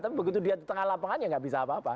tapi begitu dia di tengah lapangan ya nggak bisa apa apa